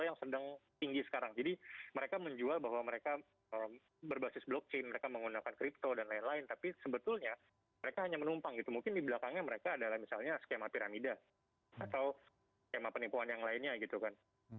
yang sedang tinggi sekarang jadi mereka menjual bahwa mereka berbasis blockchain mereka menggunakan kripto dan lain lain tapi sebetulnya mereka hanya menumpang gitu mungkin di belakangnya mereka adalah misalnya skema piramida atau skema penipuan yang lainnya gitu kan